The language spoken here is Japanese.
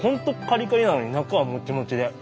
カリカリなのに中はモチモチで。